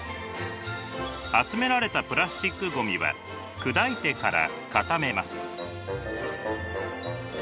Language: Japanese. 集められたプラスチックごみは砕いてから固めます。